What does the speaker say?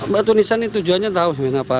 batu nisan itu tujuannya tahu